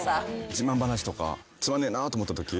自慢話とかつまんねえなぁと思ったとき？